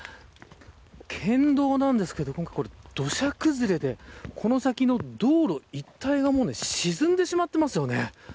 県道なんですけど土砂崩れでこの道路一帯が沈んでしまっていますよね。